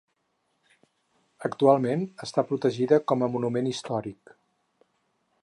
Actualment està protegida com a monument històric.